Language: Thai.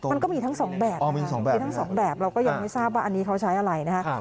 มันก็มีทั้งสองแบบมีทั้งสองแบบเราก็ยังไม่ทราบว่าอันนี้เขาใช้อะไรนะครับ